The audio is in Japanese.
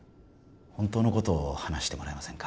本当のことを話してもらえませんか？